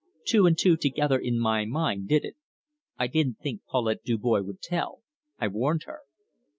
Two and two together in my mind did it. I didn't think Paulette Dubois would tell. I warned her."